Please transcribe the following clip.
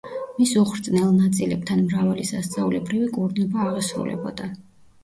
მის უხრწნელ ნაწილებთან მრავალი სასწაულებრივი კურნება აღესრულებოდა.